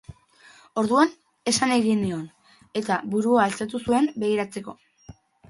Orduan, esan egin nion, eta burua altxatu zuen, begiratzeko.